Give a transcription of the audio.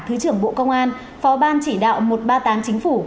thứ trưởng bộ công an phó ban chỉ đạo một trăm ba mươi tám chính phủ